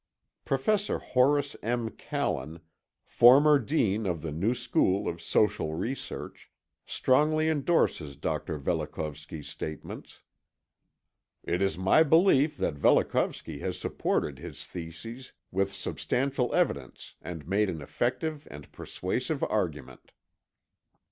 Professor Horace M. Kallen, former dean of the New School of Social Research, strongly endorses Dr. Velikovsky's statements: "It is my belief that Velikovsky has supported his theses with substantial evidence and made an effective and persuasive argument."